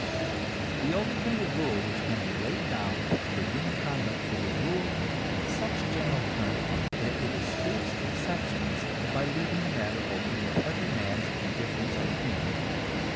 The only kind of rule which can be laid down for human conduct is a rule in such general terms that it escapes exceptions by leaving the matter open for every man's difference of opinion.